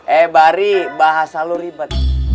eh bari bahasa lo ribet